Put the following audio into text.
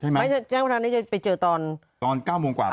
ใช่ไหมแจ้งวัฒนานี่จะไปเจอตอนตอนเก้าโมงกว่าปะ